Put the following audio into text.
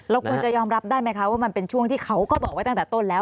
ควรจะยอมรับได้ไหมคะว่ามันเป็นช่วงที่เขาก็บอกไว้ตั้งแต่ต้นแล้ว